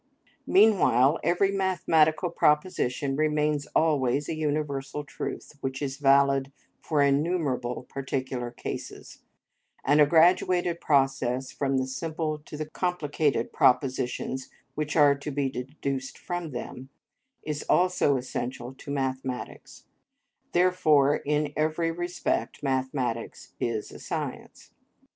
Meanwhile every mathematical proposition remains always a universal truth, which is valid for innumerable particular cases; and a graduated process from the simple to the complicated propositions which are to be deduced from them, is also essential to mathematics; therefore, in every respect mathematics is a science.